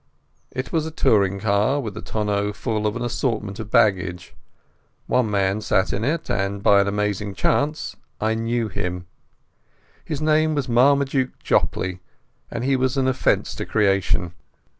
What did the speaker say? It was a touring car, with the tonneau full of an assortment of baggage. One man sat in it, and by an amazing chance I knew him. His name was Marmaduke Jopley, and he was an offence to creation.